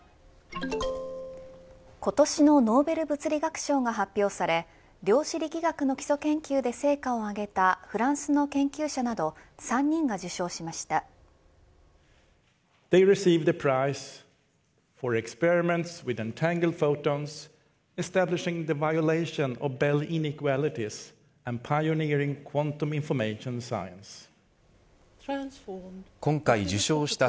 今年のノーベル物理学賞が発表され量子力学の基礎研究で成果をあげたフランスの研究者など３人が受賞しました。